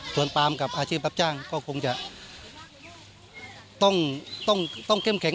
ส่วนปาล์มกับอาชีพแบบจ้างก็คงจะต้องต้องต้องเก่ง